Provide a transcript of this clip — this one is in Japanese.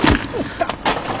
痛っ！